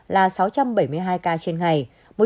là sáu trăm bảy mươi hai ca trên ngày